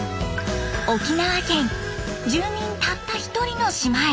沖縄県住民たった１人の島へ！